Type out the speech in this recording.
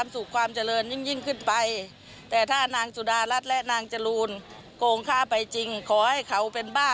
สวัสดีค่ะ